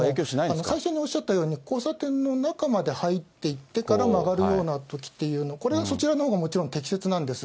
最初におっしゃったように、交差点の中まで入っていってから曲がるようなときっていうのは、これはそちらのほうが適切なんです。